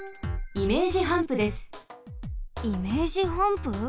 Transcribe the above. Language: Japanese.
イメージハンプ？